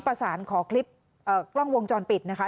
ประสานขอคลิปกล้องวงจรปิดนะคะ